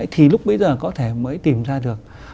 thì lúc bây giờ có thể mới tìm ra được